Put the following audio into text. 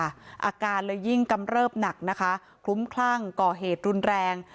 อาการเลยยิ่งกำเริบหนักนะคะคลุ้มคลั่งก่อเหตุรุนแรง